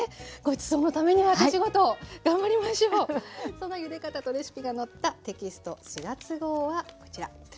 そのゆで方とレシピが載ったテキスト４月号はこちら。